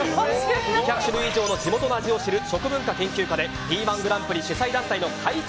２００種類以上の地元の味を知る食文化研究家でＢ−１グランプリ主催団体の会長